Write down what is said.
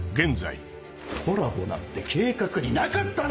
コラボなんて計画になかっただろ！